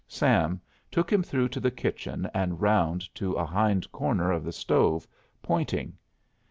Sam took him through to the kitchen and round to a hind corner of the stove, pointing.